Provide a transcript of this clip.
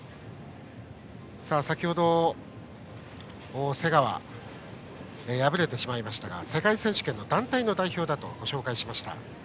先程、瀬川が敗れてしまいましたが世界選手権の団体の代表だとご紹介しました。